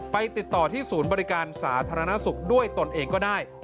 ติดต่อที่ศูนย์บริการสาธารณสุขด้วยตนเองก็ได้